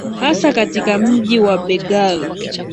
hasa katika mji wa begal